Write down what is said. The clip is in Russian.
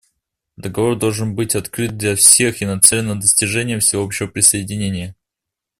Договор должен быть открыт для всех и нацелен на достижение всеобщего присоединения.